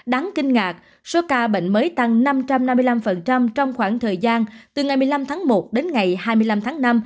đáng kinh ngạc số ca bệnh mới tăng năm trăm năm mươi năm trong khoảng thời gian từ ngày một mươi năm tháng một đến ngày hai mươi năm tháng năm